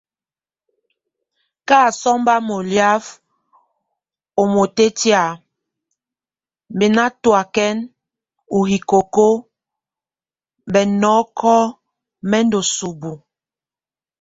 Kasómba moliaf o motɛ́tia, mɛ nátoakɛn o hikoko bá nɔkɔk mɛ ndosubue.